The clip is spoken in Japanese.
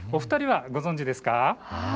２人はご存じですか？